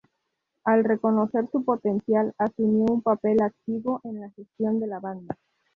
Al reconocer su potencial, asumió un papel activo en la gestión de la banda.